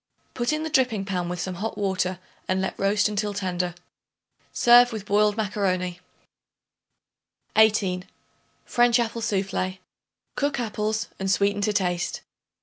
Put in the dripping pan with some hot water and let roast until tender. Serve with boiled macaroni. 18. French Apple Soufflé. Cook apples and sweeten to taste.